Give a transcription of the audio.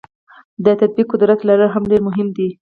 د تطبیق قدرت لرل هم ډیر مهم دي.